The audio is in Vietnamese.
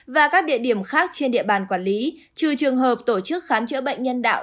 và các địa điểm khác trên địa bàn quản lý trừ trường hợp tổ chức khám chữa bệnh nhân đạo